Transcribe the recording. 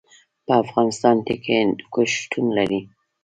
په افغانستان کې هندوکش شتون لري.